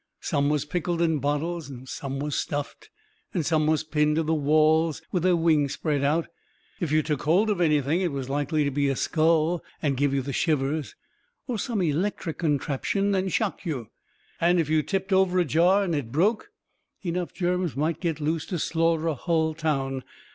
Some was pickled in bottles and some was stuffed and some was pinned to the walls with their wings spread out. If you took hold of anything, it was likely to be a skull and give you the shivers or some electric contraption and shock you; and if you tipped over a jar and it broke, enough germs might get loose to slaughter a hull town.